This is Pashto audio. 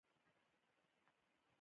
کېدای شي دوی له دې جملې څخه وي.